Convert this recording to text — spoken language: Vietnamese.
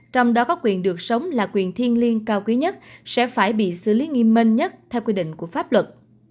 trong đó có quyền được sống là quyền thiên liên cao quý nhất sẽ phải bị xử lý nghiêm minh nhất theo quy định của pháp luật